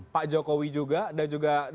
pak jokowi juga dan juga